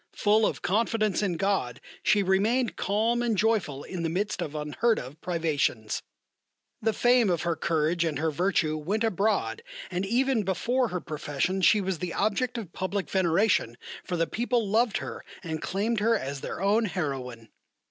Full of confidence in God she remained calm and joyful in the midst of unheard of privations. The fame of her courage and her virtue went abroad and even before her profession she was the object of public veneration, for the people loved her and claimed her as their own heroine.